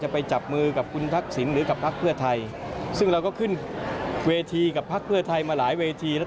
ไปจับมือกับคุณทักษิณหรือกับพักเพื่อไทยซึ่งเราก็ขึ้นเวทีกับพักเพื่อไทยมาหลายเวทีแล้ว